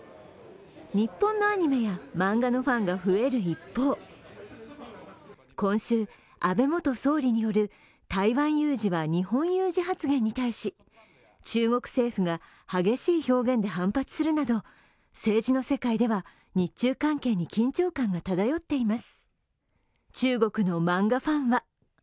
日本のアニメや漫画のファンが増える一方、今週、安倍元総理による台湾有事は日本有事発言に対し中国政府が激しい表現で反発するなど政治の世界では日中関係に緊張感が漂っています。